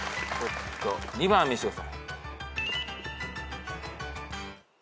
２番見してください。